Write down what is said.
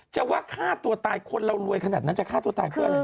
จะว่าฆ่าตัวตายคนเรารวยขนาดนั้นจะฆ่าตัวตายเพื่ออะไร